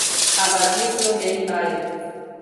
Aber dies nur nebenbei.